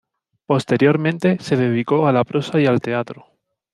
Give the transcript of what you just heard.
Posteriormente se dedicó a la prosa y al teatro.